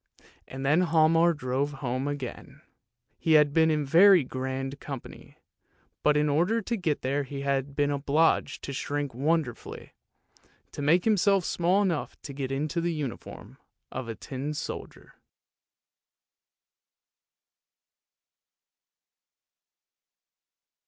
And then Hialmar drove home again; he had been in very grand company, but in order to get there he had been obliged to shrink wonderfully, to make himself small enough to get into the uniform of a tin soldier.